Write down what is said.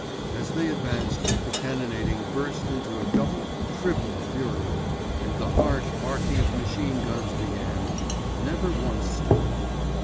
As they advanced, the cannonading burst into a double, triple fury, and the harsh barking of machine guns began—and never once stopped.